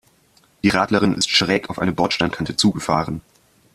Die Radlerin ist schräg auf eine Bordsteinkante zugefahren.